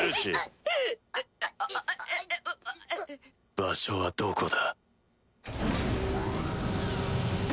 場所はどこだ？